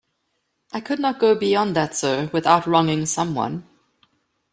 I could not go beyond that, sir, without wronging some one.